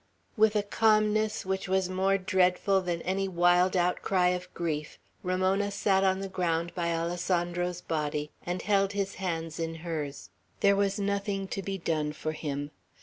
With a calmness which was more dreadful than any wild outcry of grief, Ramona sat on the ground by Alessandro's body, and held his hands in hers. There was nothing to be done for him.